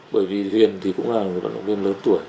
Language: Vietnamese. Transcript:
bởi vì huyền thì cũng là một vận động viên lớn tuổi